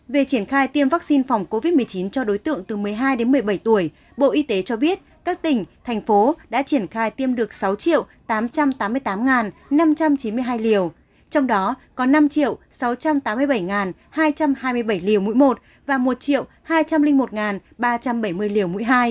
về triển khai tiêm vaccine phòng covid một mươi chín cho đối tượng từ một mươi hai đến một mươi bảy tuổi bộ y tế cho biết các tỉnh thành phố đã triển khai tiêm được sáu tám trăm tám mươi tám năm trăm chín mươi hai liều trong đó có năm sáu trăm tám mươi bảy hai trăm hai mươi bảy liều mũi một và một hai trăm linh một ba trăm bảy mươi liều mũi hai